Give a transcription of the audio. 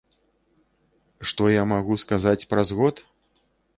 Што я магу сказаць праз год?